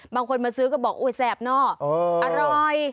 บางคนมาซื้อก็บอกอุ๊ยแสบเนอะอร่อย